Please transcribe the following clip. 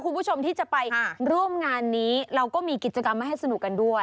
คุณผู้ชมที่จะไปร่วมงานนี้เราก็มีกิจกรรมมาให้สนุกกันด้วย